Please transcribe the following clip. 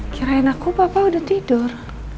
kirain aku papa udah tidur